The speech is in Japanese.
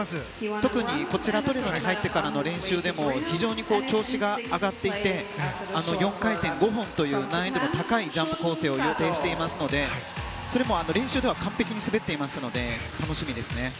特にトリノに入ってからの練習でも非常に調子が上がっていて４回転５本という難易度の高いジャンプ構成を予定していますのでそれも練習では完璧に滑っていますので楽しみですね。